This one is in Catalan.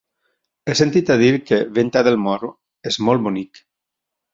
He sentit a dir que Venta del Moro és molt bonic.